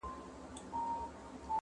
یوه برخه د پرون له رشوتونو-